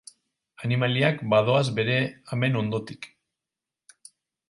Animaliak badoaz bere amen ondotik.